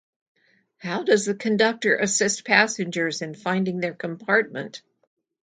How does the conductor assist passengers in finding their compartment?